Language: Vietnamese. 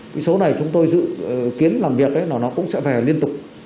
cái số này chúng tôi dự kiến làm việc nó cũng sẽ về liên tục